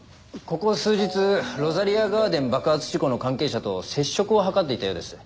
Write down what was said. ここ数日ロザリアガーデン爆発事故の関係者と接触を図っていたようです。